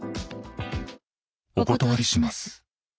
お断りします。